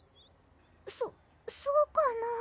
そそうかな？